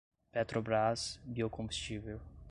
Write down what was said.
Petrobras Biocombustível